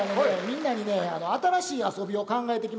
みんなにね新しい遊びを考えてきましたんで。